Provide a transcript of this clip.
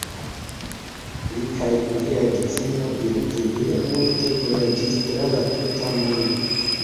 Li kaj lia edzino Virginia multe vojaĝis tra la tuta mondo.